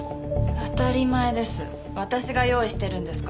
当たり前です。